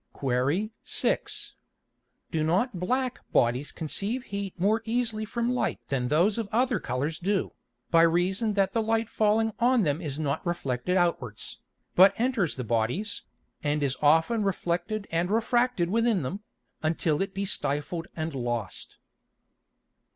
Qu. 6. Do not black Bodies conceive heat more easily from Light than those of other Colours do, by reason that the Light falling on them is not reflected outwards, but enters the Bodies, and is often reflected and refracted within them, until it be stifled and lost?